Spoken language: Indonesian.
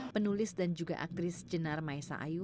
penulis dan juga aktris jenar maesa ayu